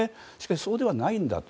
そうではないんだと。